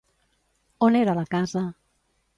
On era la casa?